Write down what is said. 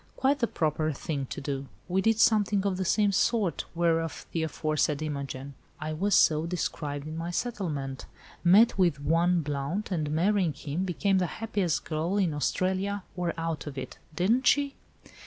"Quite the proper thing to do. We did something of the same sort, whereof the aforesaid Imogen (I was so described in my settlement) met with one Blount, and marrying him, became the happiest girl in Australia or out of it. Didn't she?"